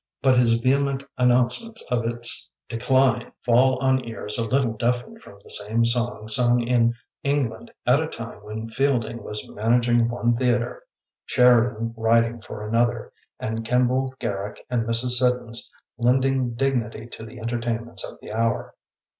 But his vehement announcements of its de cline fall on ears a little deafened from the same song sung in England at a time when Fielding was manage ing one theatre, Sheridan writing for another, and Kemble, Garrick, and Mrs. Siddons lending dignity to the entertainments of the hour.